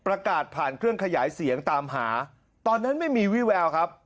ประกาศผ่านเครื่องขยายเสียงตามหาตอนนั้นไม่มีวี่แววครับ